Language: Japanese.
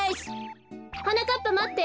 はなかっぱまって。